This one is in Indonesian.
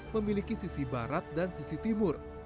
memiliki sisi barat dan sisi timur